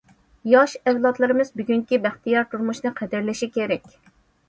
ياش ئەۋلادلىرىمىز بۈگۈنكى بەختىيار تۇرمۇشنى قەدىرلىشى كېرەك.